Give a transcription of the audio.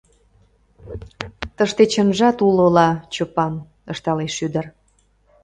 — Тыште чынжат уло-ла, Чопан, — ышталеш ӱдыр.